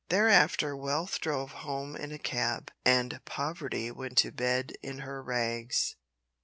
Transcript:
Thereafter Wealth drove home in a cab, and Poverty went to bed in her rags.